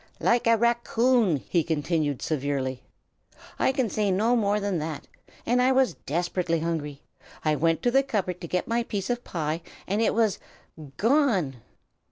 "Like a RACCOON!" he continued severely. "I can say no more than that; and I was desperately hungry. I went to the cupboard to get my piece of pie, and it was gone!"